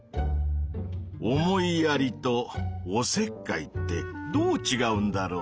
「思いやり」と「おせっかい」ってどうちがうんだろうねぇ？